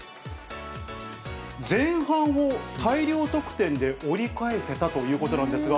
前半を大量得点で折り返せたということなんですが。